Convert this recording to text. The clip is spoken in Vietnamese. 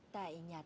tại nhà nước